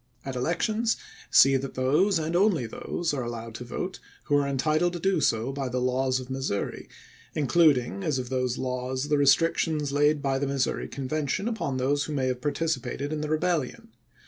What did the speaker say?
.. At elections, see that those, and only those, are allowed to vote who are Vol. VIII.— 15 226 ABBAHAM LINCOLN Chap. VIII. entitled to do so by the laws of Missouri, including as of those laws the restriction laid by the Missouri Conven tion upon those who may have participated in the rebel lion.